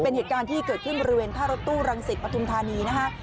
เป็นเหตุการณ์ที่เกิดขึ้นบริเวณท่ารถตู้รังสิตปฐุมธานีนะฮะ